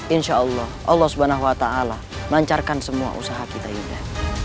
insya allah allah swt melancarkan semua usaha kita yunda